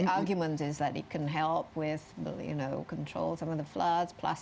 argumennya adalah bahwa ini dapat membantu mengawasi beberapa penerbangan